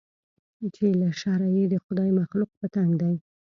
چې له شره یې د خدای مخلوق په تنګ دی